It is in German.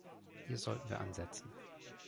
Hier sollten wir ansetzen.